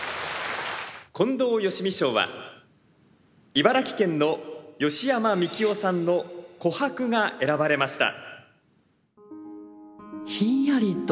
近藤芳美賞は茨城県の芳山三喜雄さんの「琥珀」が選ばれました。